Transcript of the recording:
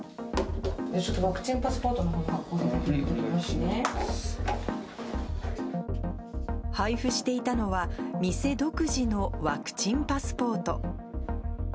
ワクチンパスポートのほうを配布していたのは、店独自のワクチンパスポート。